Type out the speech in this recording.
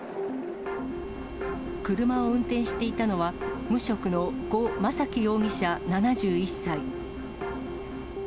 車を運転していたのは、無職の呉昌樹容疑者